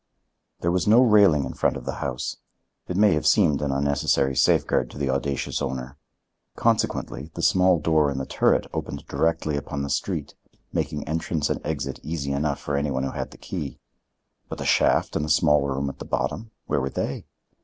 There was no railing in front of the house. It may have seemed an unnecessary safeguard to the audacious owner. Consequently, the small door in the turret opened directly upon the street, making entrance and exit easy enough for any one who had the key. But the shaft and the small room at the bottom—where were they?